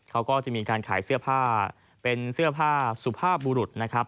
เขาก็จะมีการขายเสื้อผ้าเป็นเสื้อผ้าสุภาพบุรุษนะครับ